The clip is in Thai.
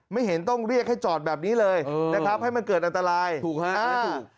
เห็นต้องเรียกให้จอดแบบนี้เลยนะครับให้มันเกิดอันตรายถูกฮะไม่ถูก